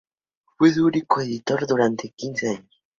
Fue su único editor durante quince años.